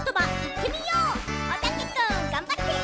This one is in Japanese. おたけくんがんばって！